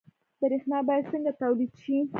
برښنا باید څنګه تولید شي؟